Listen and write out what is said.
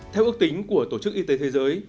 theo ước tính của tổ chức y tế thế giới